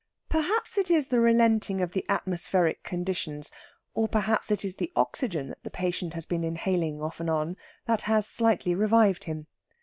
Perhaps it is the relenting of the atmospheric conditions, or perhaps it is the oxygen that the patient has been inhaling off and on, that has slightly revived him.